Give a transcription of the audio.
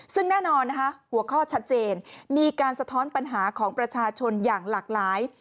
ซึ่งแน่นอนนะคะหัวข้อชัดเจนมีการสะท้อนปัญหาของประชาชนอย่างหลากหลาย